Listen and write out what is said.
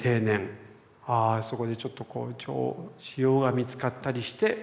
ああそこでちょっと腫瘍が見つかったりして６４歳。